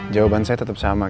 jawaban saya tetep sama ki